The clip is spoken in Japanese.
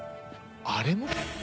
あれも？